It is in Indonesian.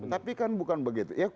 tapi kan bukan begitu